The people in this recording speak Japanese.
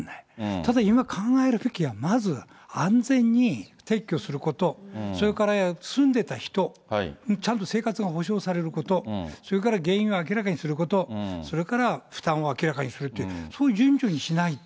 ただ今考えるべきは、まずは安全に撤去すること、それから住んでた人、ちゃんと生活が保障されること、それから原因を明らかにすること、それから負担を明らかにするって、そういう順序にしないと。